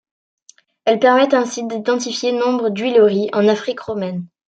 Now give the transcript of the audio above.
Elles permettent ainsi d'identifier nombre d'huileries en Afrique romaine.